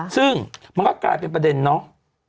ซึ่งมันก็กลายเป็นประเด็นเนาะ